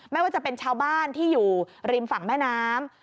ไม่ว่าจะเป็นชาวบ้านที่อยู่ริมฝั่งแม่น้ำ